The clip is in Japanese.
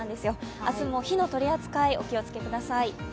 明日も火の取り扱い、お気をつけください。